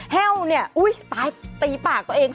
แห้วเนี่ยอุ๊ยตายตีปากตัวเอง